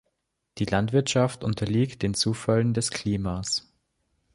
Die Landwirtschaft unterliegt den Zufällen des Klimas.